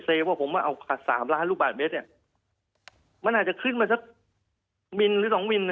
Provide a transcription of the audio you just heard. ว่าผมมาเอาสามล้านลูกบาทเมตรเนี่ยมันอาจจะขึ้นมาสักวินหรือสองวิน